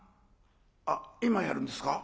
「あっ今やるんですか？